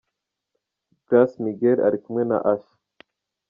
Grace Miguel ari kumwe na Usher.